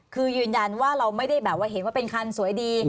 คือยืนยันว่าเราไม่ได้แบบว่าเห็นว่าเป็นคันสวยดี